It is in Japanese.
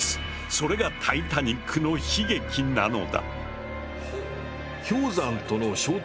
それがタイタニックの悲劇なのだ。